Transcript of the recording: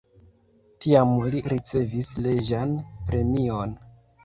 Tiam li ricevis reĝan premion.